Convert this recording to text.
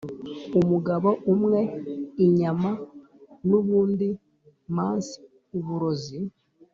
umugabo umwe inyama nubundi mans uburozi!